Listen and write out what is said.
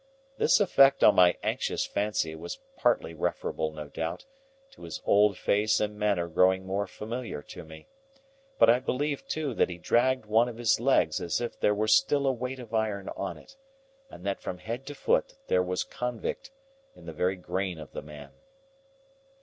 This effect on my anxious fancy was partly referable, no doubt, to his old face and manner growing more familiar to me; but I believe too that he dragged one of his legs as if there were still a weight of iron on it, and that from head to foot there was Convict in the very grain of the man.